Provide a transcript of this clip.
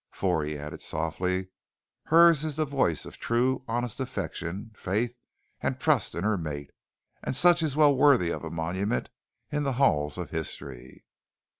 For," he added softly, "hers is the voice of true, honest affection, faith and trust in her mate, and such is well worthy of a monument in the halls of history!"